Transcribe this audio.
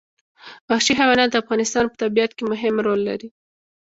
وحشي حیوانات د افغانستان په طبیعت کې مهم رول لري.